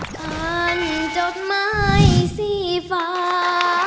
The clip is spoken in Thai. ตานจดไม้สีฟ้า